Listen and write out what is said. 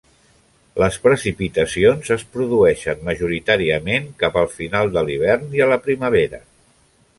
Les precipitacions es produeixen majoritàriament cap al final de l'hivern i a la primavera.